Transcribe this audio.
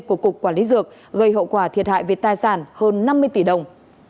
của cục quản lý dược gây hậu quả thiệt hại về tài sản hơn năm mươi tỷ đồng